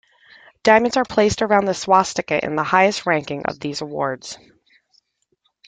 Diamonds are placed around the swastika in the highest ranking of these awards.